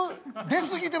出すぎて。